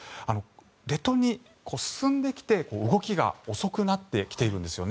列島に進んできて、動きが遅くなってきているんです。